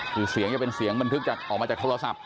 คือเสียงจะเป็นเสียงบันทึกจากออกมาจากโทรศัพท์